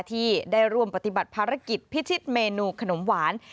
ที่ได้ร่วมปฏิบัติภารกิจพิชิตเมนูขนมหวาน